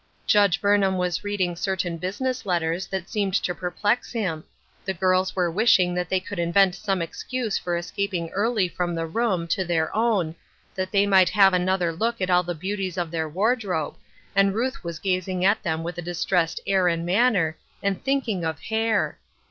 Judge Burnham was reading certain business letters that seemed to perplex him. The girls were wishing that they could invent some excuse for escaping early from the room to their own, that thev mio ht have another look at all the beauties 354 Ruth Erslcine's Crosses. of their wardrobe, and Ruth was gazing at them with a distressed air and manner, and thinking of hair